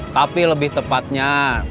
tapi lebih tepatnya